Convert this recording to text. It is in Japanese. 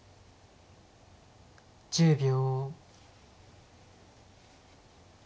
１０秒。